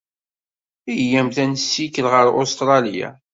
Iyyamt ad nessikel ɣer Ustṛalya.